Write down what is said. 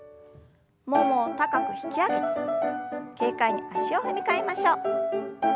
ももを高く引き上げて軽快に足を踏み替えましょう。